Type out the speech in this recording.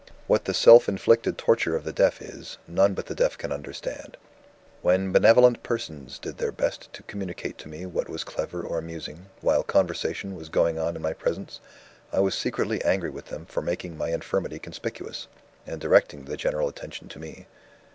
"What the self inflicted torture of the deaf is, none but the deaf can understand. "When benevolent persons did their best to communicate to me what was clever or amusing, while conversation was going on in my presence, I was secretly angry with them for making my infirmity conspicuous, and directing the general attention to me.